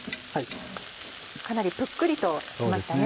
かなりプックリとしましたね。